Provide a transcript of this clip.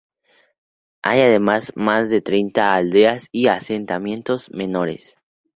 Hay además más de treinta aldeas y asentamientos menores.